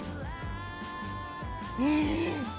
うん！